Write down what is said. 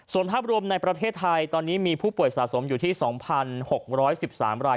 ส่วนภาพรวมในประเทศไทยตอนนี้มีผู้ป่วยสะสมอยู่ที่๒๖๑๓ราย